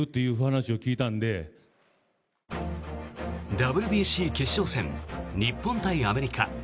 ＷＢＣ決勝戦日本対アメリカ。